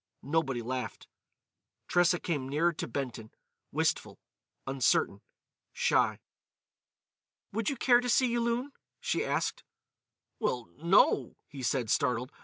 Nobody laughed. Tressa came nearer to Benton, wistful, uncertain, shy. "Would you care to see Yulun?" she asked. "Well—no," he said, startled.